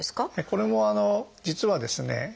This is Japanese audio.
これも実はですね